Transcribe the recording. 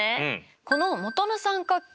この元の三角形